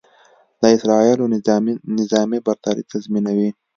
د اسرائیلو نظامي برتري تضیمنوي.